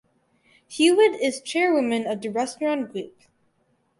Hewitt is chairwoman of The Restaurant Group.